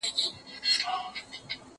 که وخت وي، کښېناستل کوم،